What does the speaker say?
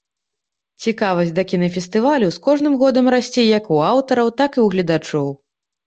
Цікавасць да кінафестывалю з кожным годам расце як у аўтараў, так і ў гледачоў.